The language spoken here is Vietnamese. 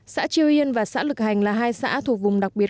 xã triều yên và xã lực hành là hai xã thuộc vùng đặc biệt